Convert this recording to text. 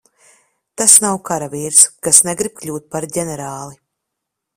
Tas nav karavīrs, kas negrib kļūt par ģenerāli.